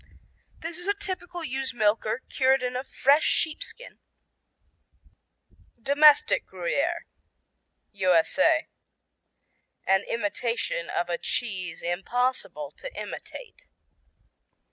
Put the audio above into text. This is a typical ewe's milker cured in a fresh sheep skin. Domestic Gruyère U.S.A. An imitation of a cheese impossible to imitate.